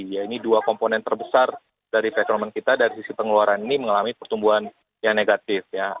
ya ini dua komponen terbesar dari perekonomian kita dari sisi pengeluaran ini mengalami pertumbuhan yang negatif ya